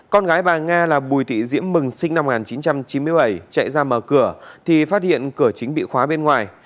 con gái bà nga là bùi thị diễm mừng sinh năm một nghìn chín trăm chín mươi bảy chạy ra mở cửa thì phát hiện cửa chính bị khóa bên ngoài